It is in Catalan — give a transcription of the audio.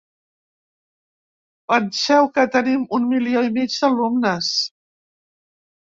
Penseu que tenim un milió i mig d’alumnes.